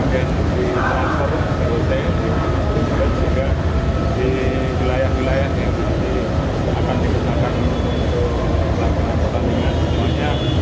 di wilayah wilayah yang akan diperlakukan untuk melakukan pertandingan